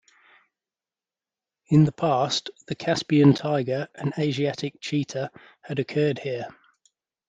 In the past, the Caspian tiger and Asiatic cheetah had occurred here.